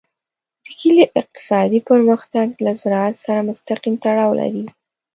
د کلیو اقتصادي پرمختګ له زراعت سره مستقیم تړاو لري.